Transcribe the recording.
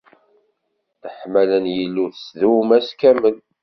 Leḥmala n Yillu tettdum ass kamel!